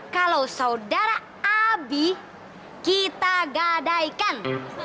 kalau saudara abi kita gadaikan